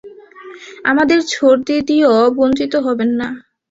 আমাদের ছোড়দিদিও বঞ্চিত হবেন না।